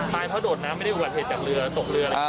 เพราะโดดน้ำไม่ได้อุบัติเหตุจากเรือตกเรือ